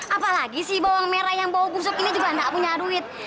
apalagi si bawang merah yang bau busuk ini juga nggak punya duit